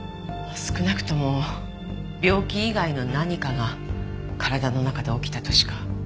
少なくとも病気以外の何かが体の中で起きたとしか。